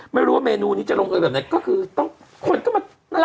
ไม่รู้ว่าเมนูนี้จะลงเอยแบบไหนก็คือต้องคนก็มานั่นแหละ